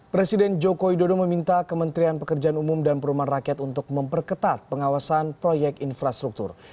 presiden joko widodo meminta kementerian pekerjaan umum dan perumahan rakyat untuk memperketat pengawasan proyek infrastruktur